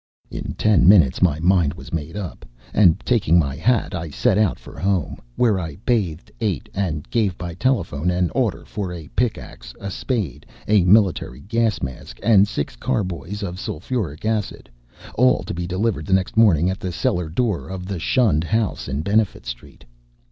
In ten minutes my mind was made up, and taking my hat I set out for home, where I bathed, ate, and gave by telephone an order for a pickax, a spade, a military gas mask, and six carboys of sulfuric acid, all to be delivered the next morning at the cellar door of the shunned house in Benefit Street.